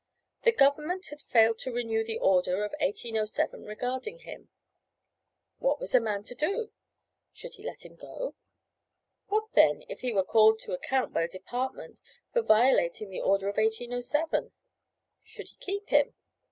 The government had failed to renew the order of 1807 regarding him. What was a man to do? Should he let him go? What, then, if he were called to account by the Department for violating the order of 1807? Should he keep him?